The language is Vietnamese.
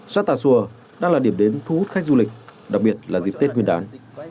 xã tà sùa đang là điểm đến thu hút khách du lịch đặc biệt là dịp tết nguyên đán